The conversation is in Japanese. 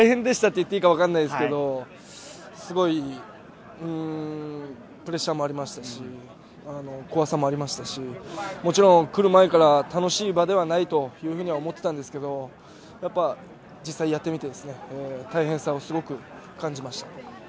言っていいか分からないですけど、すごくプレッシャーもありましたし、怖さもありましたし、もちろん来る前から楽しい場ではないと思っていたんですけど、実際やってみて大変さをすごく感じました。